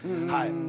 はい。